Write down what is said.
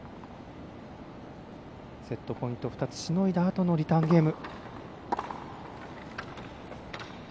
セットポイント、２つしのいだあとのリターンゲーム。